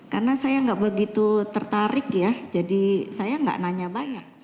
karena saya gak begitu tertarik ya jadi saya gak nanya banyak